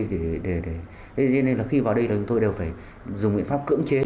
thế nên là khi vào đây thì chúng tôi đều phải dùng biện pháp cưỡng chế